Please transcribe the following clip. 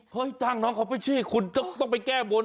เฮ้ยจ้างน้องเขาไปเชี่ยงคุณต้องไปแก้บน